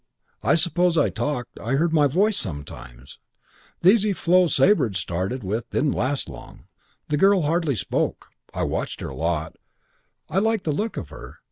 "I suppose I talked. I heard my voice sometimes. The easy flow Sabre had started with didn't last long. The girl hardly spoke. I watched her a lot. I liked the look of her.